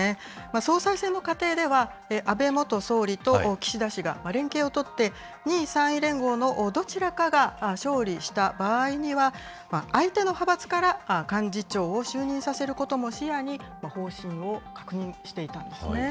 総裁選の過程では、安倍元総理と岸田氏が連携を取って、２位３位連合のどちらかが勝利した場合には、相手の派閥から幹事長を就任させることも視野に、方針を確認していたんですね。